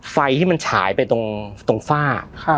ไฟที่มันฉายไปตรงฝ้า